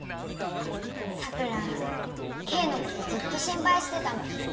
サクラケイのことずっと心配してたの。